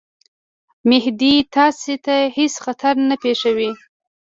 مهدي تاسي ته هیڅ خطر نه پېښوي.